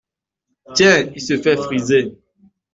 Tiens… il se fait friser ?…